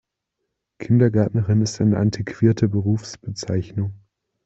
Kindergärtnerin ist eine antiquerte Berufsbezeichnung.